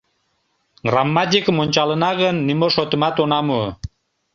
Грамматикым ончалына гын, нимо шотымат она му.